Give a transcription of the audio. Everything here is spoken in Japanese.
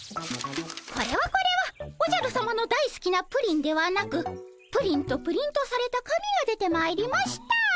これはこれはおじゃるさまのだいすきなプリンではなく「プリン」とプリントされた紙が出てまいりました。